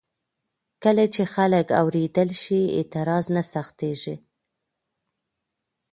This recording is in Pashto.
کله چې خلک واورېدل شي، اعتراض نه سختېږي.